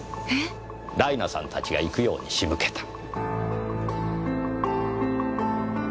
ライナさんたちが行くように仕向けた。